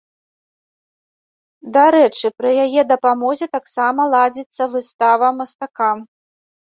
Дарэчы, пры яе дапамозе таксама ладзіцца выстава мастака.